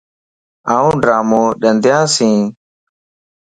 آن ڊرامو ڏندياس